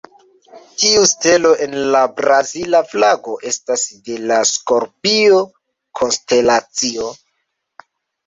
Tiu stelo en la Brazila flago estas de la Skorpio konstelacio.